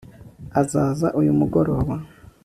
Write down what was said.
azaza uyu mugoroba